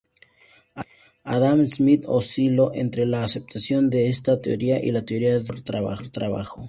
Adam Smith osciló entre la aceptación de esta teoría y la teoría del valor-trabajo.